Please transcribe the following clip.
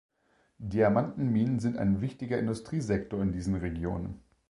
Diamantenminen sind ein wichtiger Industriesektor in diesen Regionen.